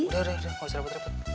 udah udah masih rapet rapet